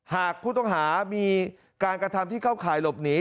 หากผู้ต้องหามีการกระทำที่เข้าข่ายหลบหนี